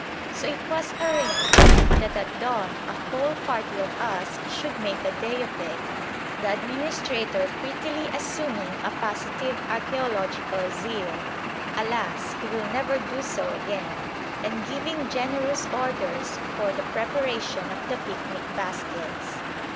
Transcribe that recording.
So it was arranged that at dawn a whole party of us should make a day of it, the administrator prettily assuming a positive archæological zeal (alas! he will never do so again) and giving generous orders for the preparation of the picnic baskets.